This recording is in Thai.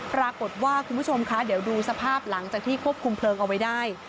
ปรากฏว่าคุณผู้ชมคะเดี๋ยวดูสภาพหลังจากที่ควบคุมเพลิงเอาไว้ได้